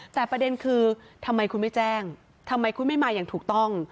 แต่ประเด็นคือทำไมคุณไม่แจ้งทำไมคุณไม่มาอย่างถูกต้อง